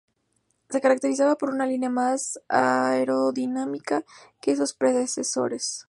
Se caracterizaba por una línea más aerodinámica que sus predecesores.